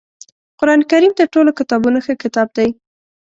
قرآنکریم تر ټولو کتابونو ښه کتاب دی